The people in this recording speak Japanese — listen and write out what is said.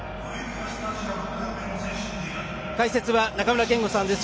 解説は中村憲剛さんです。